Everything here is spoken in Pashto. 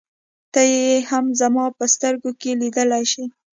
ته يې هم زما په سترګو کې لیدلای شې.